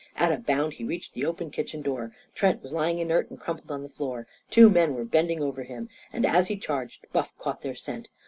At a bound he reached the open kitchen door. Trent was lying inert and crumpled on the floor. Two men were bending over him. And, as he charged, Buff caught their scent.